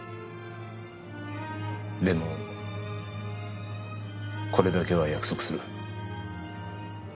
でもこれだけは約束する。